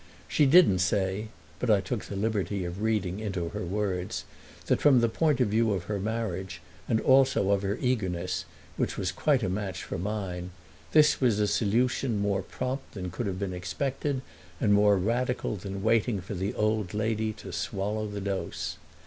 She didn't say, but I took the liberty of reading into her words, that from the point of view of her marriage and also of her eagerness, which was quite a match for mine, this was a solution more prompt than could have been expected and more radical than waiting for the old lady to swallow the dose.